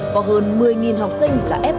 có hơn một mươi học sinh là f